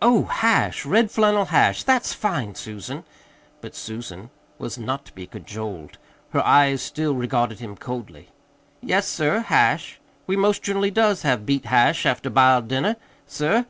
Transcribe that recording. "Oh, hash red flannel hash! That's fine, Susan!" But Susan was not to be cajoled. Her eyes still regarded him coldly. "Yes, sir, hash. We most generally does have beet hash after b'iled dinner, sir.